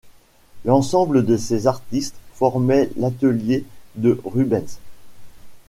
L'ensemble de ces artistes formait l'atelier de Rubens.